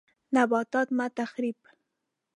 نباتات مه تخریب